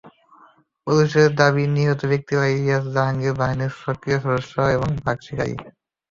পুলিশের দাবি, নিহত ব্যক্তিরা ইলিয়াস-জাহাঙ্গীর বাহিনীর সক্রিয় সদস্য এবং বাঘ শিকারি।